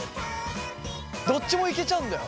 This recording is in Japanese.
どっちもいけちゃうんだよ。